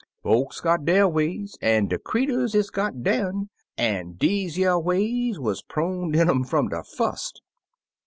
Folks got der ways, an' de creeturs is got der'n, an' deze yer ways wuz proned in um fum de fust.